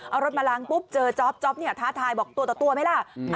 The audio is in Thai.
เอารถมาล้างปุ๊บเจอจ๊อปเนี่ยท้าทายบอกตัวต่อตัวไหมล่ะ